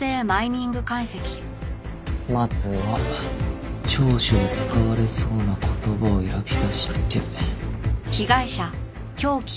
まずは聴取で使われそうな言葉を選び出して。